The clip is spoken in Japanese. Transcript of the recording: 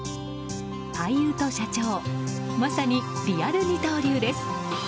俳優と社長まさにリアル二刀流です。